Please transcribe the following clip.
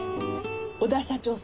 小田社長さん